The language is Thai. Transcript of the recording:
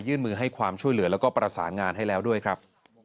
มือให้ความช่วยเหลือแล้วก็ประสานงานให้แล้วด้วยครับ